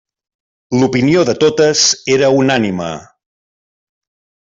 L'opinió de totes era unànime.